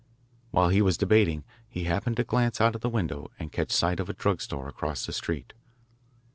While he was debating he happened to glance out of the window and catch sight of a drug store across the street.